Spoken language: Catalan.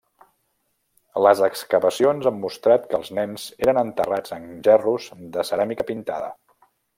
Les excavacions han mostrat que els nens eren enterrats en gerros de ceràmica pintada.